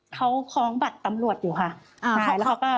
เขาคล้องบัตรตำรวจอยู่ค่ะ